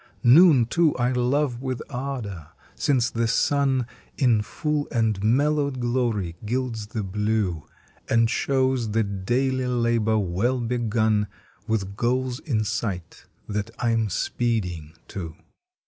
Noon, too, I love with ardor, since the sun In full and mellowed glory gilds the blue, And shows the daily labor well begun, With goals in sight that I am speeding to.